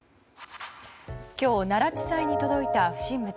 今日奈良地裁に届いた不審物。